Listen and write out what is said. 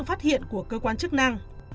phát hiện của cơ quan chức năng